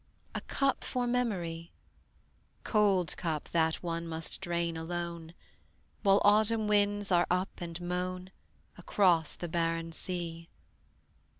"A cup for memory!" Cold cup that one must drain alone: While autumn winds are up and moan Across the barren sea.